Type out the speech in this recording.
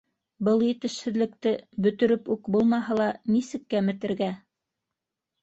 Был етешһеҙлекте бөтөрөп үк булмаһа ла, нисек кәметергә?